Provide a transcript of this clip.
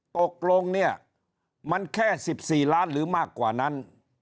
ตกลงเนี่ยมันแค่๑๔ล้านหรือมากกว่านั้น